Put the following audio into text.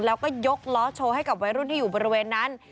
แล้วก็ยกล้อโชว์ให้กับวัยรุ่นที่อยู่บริเวณนั้น